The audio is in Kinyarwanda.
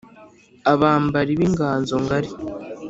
. Abambali b'inganzo ngali